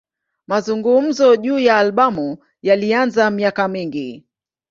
Mazungumzo juu ya albamu yalianza miaka mingi.